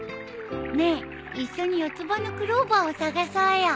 ねえ一緒に四つ葉のクローバーを探そうよ。